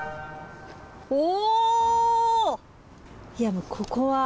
お！